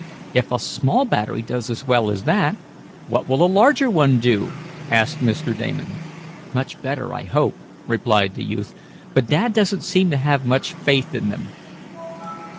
"If a small battery does as well as that, what will a larger one do?" asked Mr. Damon. "Much better, I hope," replied the youth. "But Dad doesn't seem to have much faith in them."